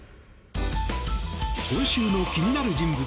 今週の気になる人物